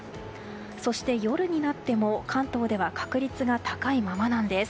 そして夜になっても関東では確率が高いままなんです。